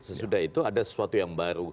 sesudah itu ada sesuatu yang baru